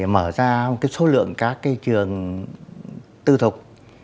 phải mở ra cái số lượng các cái trường tư thuộc